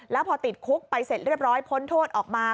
แล้วพอติดคุกไปเสร็จเรียบร้อยพ้นโทษออกมา